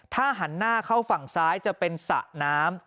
ถ้าหันหน้าเข้าฝั่งซ้ายจะเป็นสระน้ำ